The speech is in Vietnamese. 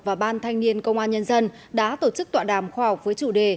và ban thanh niên công an nhân dân đã tổ chức tọa đàm khoa học với chủ đề